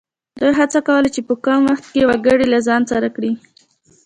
دوی هڅه کوله چې په کم وخت کې وګړي له ځان سره کړي.